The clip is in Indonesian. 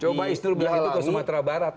coba istri belakang itu ke sumatera barat